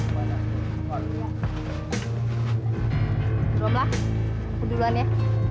berumlah aku duluan ya